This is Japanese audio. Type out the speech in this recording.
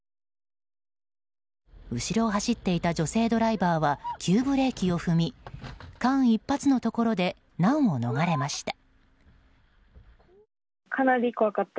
後ろを走っていた女性ドライバーは急ブレーキを踏み間一髪のところで難を逃れました。